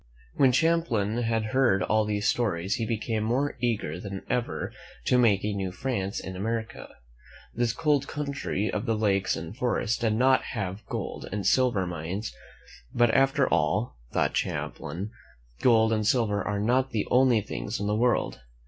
When Champlain had heard all these stories, he became more eager than ever to make a new France in America. This cold country of the lakes and forests did not have gold and silver mines; but, after all, thought Champlain, "gold and silver are not the only things in the world."